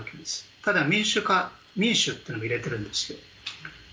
ただ、民主化、民主というのも入れているんです。